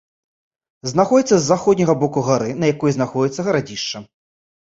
Знаходзіцца з заходняга боку гары, на якой знаходзіцца гарадзішча.